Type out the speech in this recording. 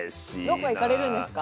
どこか行かれるんですか？